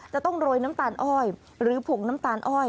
จะต้องโรยน้ำตาลอ้อยหรือผงน้ำตาลอ้อย